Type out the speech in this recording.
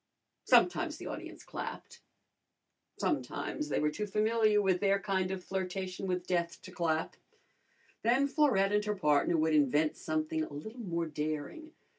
Sometimes the audience clapped. Sometimes they were too familiar with their kind of flirtation with death to clap. Then Florette and her partner would invent something a little more daring.